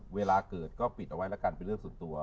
เวลาเกิดก็ปิดเอาไว้แล้วกันเป็นเรื่องส่วนตัว